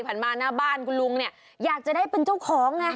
มาหน้าบ้านคุณลุงเนี่ยอยากจะได้เป็นเจ้าของไง